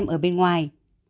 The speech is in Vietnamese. ở bên ngoài